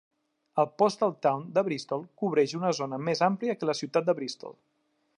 El "postal town" de Bristol cobreix una zona més amplia que la ciutat de Bristol.